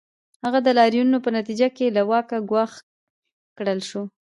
هغه د لاریونونو په نتیجه کې له واکه ګوښه کړل شو.